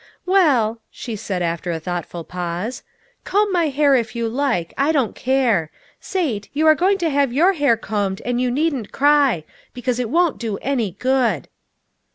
"Well," she said, after a thoughtful pause, " comb my hair if you like ; I don't care. Sate, you are going to have your hair combed, and you needn't cry; because it won't do any good."